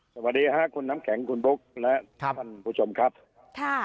สวัสดีค่ะคุณน้ำแข็งคุณบุ๊คและท่านผู้ชมครับค่ะ